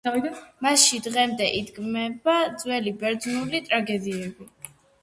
მასში დღემდე იდგმება ძველი ბერძნული ტრაგედიები.